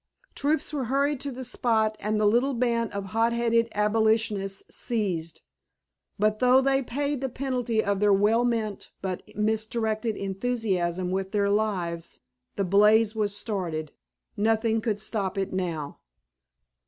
Troops were hurried to the spot and the little band of hot headed abolitionists seized. But though they paid the penalty of their well meant but misdirected enthusiasm with their lives, the blaze was started. Nothing could stop it now.